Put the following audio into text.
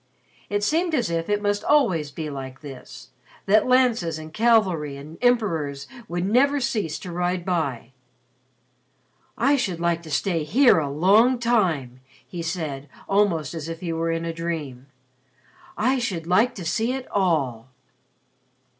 It seemed as if it must always be like this that lances and cavalry and emperors would never cease to ride by. "I should like to stay here a long time," he said almost as if he were in a dream. "I should like to see it all."